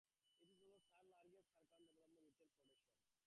It is also the third largest in the Harcourt Developments retail portfolio.